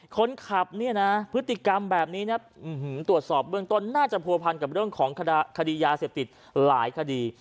คนขับเนี่ยนะพฤติกรรมแบบนี้นะตรวจสอบเบื้องต้นน่าจะผัวพันกับเรื่องของคดียาเสพติดหลายคดี